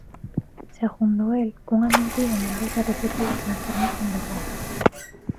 Segundo el "unha mentira mil veces repetida transfórmase en verdade".